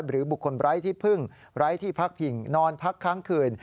หรือบุคคลไร้ที่พึ่งไร้ที่พักผิงนอนพักค้างคืน